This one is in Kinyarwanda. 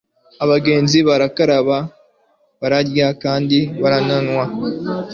abagenzi barakaraba, bararya kandi baranywa